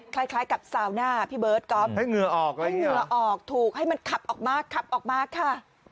คล้ายกับซาวน่าพี่เบิร์ทกอล์ฟให้เหงื่อออกถูกให้มันขับออกมากค่ะ